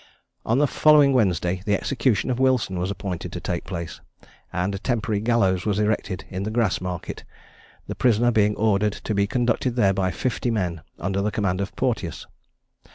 On the following Wednesday the execution of Wilson was appointed to take place, and a temporary gallows was erected in the Grass market, the prisoner being ordered to be conducted there by fifty men, under the command of Porteous.